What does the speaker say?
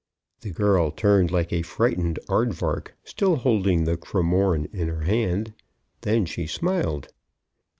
The girl turned like a frightened aardvark, still holding the cromorne in her hand. Then she smiled.